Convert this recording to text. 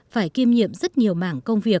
phải kiêm nhiệm rất nhiều mảng công viên